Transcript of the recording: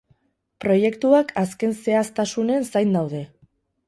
Proiektuak azken zehaztasunen zain daude.